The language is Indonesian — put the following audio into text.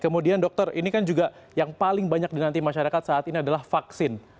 kemudian dokter ini kan juga yang paling banyak dinanti masyarakat saat ini adalah vaksin